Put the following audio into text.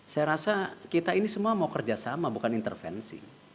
saya rasa kita ini semua mau kerjasama bukan intervensi